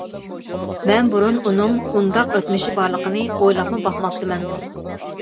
مەن بۇرۇن ئۇنىڭ ئۇنداق ئۆتمۈشى بارلىقىنى ئويلاپمۇ باقماپتىمەن.